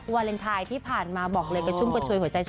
วาเลนไทน์ที่ผ่านมาบอกเลยจุ่มกับชวยหัวใจ